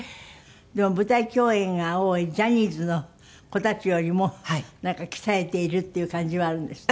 でも舞台共演が多いジャニーズの子たちよりもなんか鍛えているっていう感じはあるんですって？